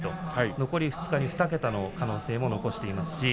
残り２日で２桁の可能性も残しています。